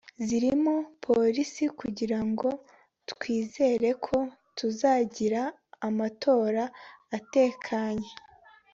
zirimo Polisi kugira ngo twizere ko tuzagira amatora atekanye